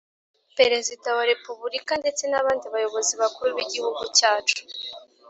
Perezida wa Repubulika ndetse n abandi Bayobozi Bakuru b Igihugu cyacu